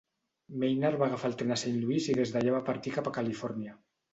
Maynard va agafar el tren a Saint Louis i des d'allà va partir cap a Califòrnia.